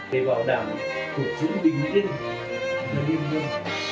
để bảo đảm cuộc sống bình yên của nhân dân